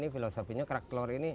filosofinya kerak telur ini